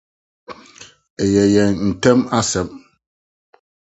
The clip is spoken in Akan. Ɛyɛ yɛn ntam asɛm